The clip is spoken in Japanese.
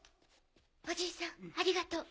おじいさんありがとう。